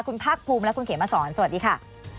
คุณภาคภูมิและคุณเขมสอนสวัสดีค่ะ